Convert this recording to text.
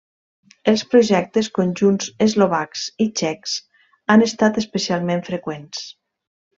Els projectes conjunts eslovacs i txecs han estat especialment freqüents.